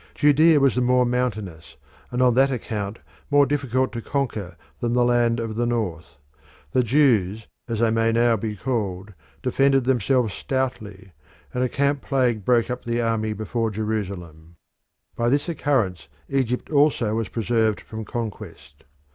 Judea was more mountainous, and on that account more difficult to conquer than the land of the North. The Jews, as they may now be called, defended themselves stoutly, and a camp plague broke up the army before Jerusalem. By this occurrence Egypt also was preserved from conquest.